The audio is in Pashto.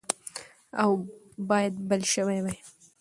اور باید بل شوی وای.